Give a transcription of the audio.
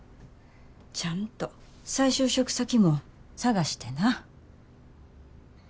ちゃんと再就職先も探してな。